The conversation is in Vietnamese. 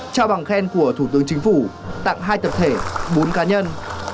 trao bằng khen của thủ tướng chính phủ tặng hai tập thể bốn cá nhân